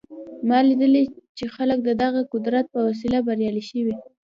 ما لیدلي چې خلک د دغه قدرت په وسیله بریالي شوي